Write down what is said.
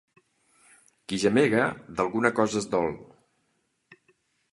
Qui gemega d'alguna cosa es dol.